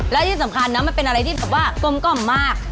และที่สำคัญนะมันเป็นอะไรที่แบบว่ากลมกล่อมมาก